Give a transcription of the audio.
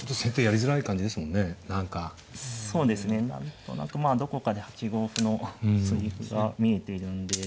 何となくまあどこかで８五歩の継ぎ歩が見えているんで。